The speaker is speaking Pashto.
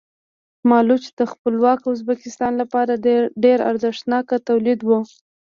مالوچ د خپلواک ازبکستان لپاره ډېر ارزښتناک تولید و.